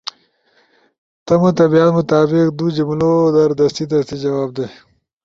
تمو طبیعت مطابق دُو جملؤ در دستی دستی جواب دے۔